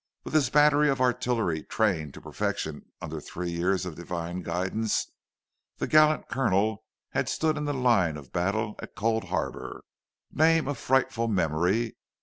With his battery of artillery trained to perfection under three years of divine guidance, the gallant Colonel had stood in the line of battle at Cold Harbour—name of frightful memory!